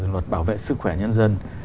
luật bảo vệ sức khỏe nhân dân